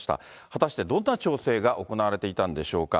果たしてどんな調整が行われていたんでしょうか。